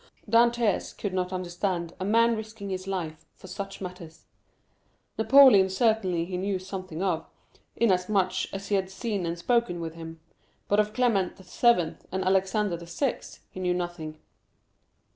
Dantès could not understand a man risking his life for such matters. Napoleon certainly he knew something of, inasmuch as he had seen and spoken with him; but of Clement VII. and Alexander VI. he knew nothing.